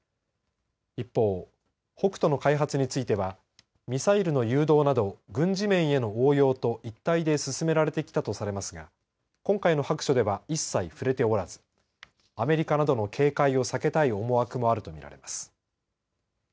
一方、北斗の開発についてはミサイルの誘導など軍事面での応用と一体で進められてきたとされますが今回の白書では一切触れておらずアメリカなどの警戒も避けたい思惑があると見られます。